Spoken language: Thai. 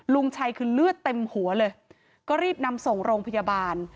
ลุงชัยคือเลือดเต็มหัวเลยก็รีบนำส่งโรงพยาบาล